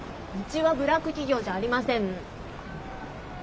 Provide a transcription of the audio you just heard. うちはブラック企業じゃありません。